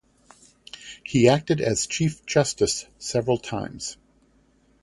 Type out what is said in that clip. He acted as chief justice several times.